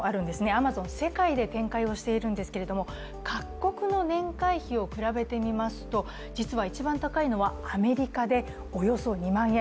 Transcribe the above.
アマゾン、世界で展開しているんですが各国の年会費を比べてみますと、実は一番高いのはアメリカで、およそ２万円